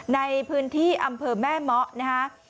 ในพื้นที่อำเภอแม่เมาะนะคะ